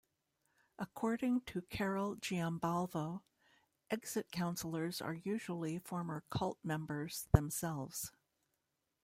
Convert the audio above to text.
According to Carol Giambalvo, "exit counsellors are usually former cult members themselves".